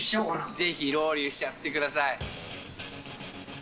ぜひ、ロウリュウしちゃってください。